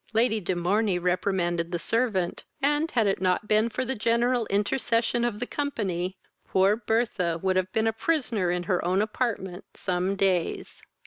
Lady de Morney reprimanded the servant; and, had it not been for the general intercession of the company, poor Birtha would have been a prisoner in her own apartment some days.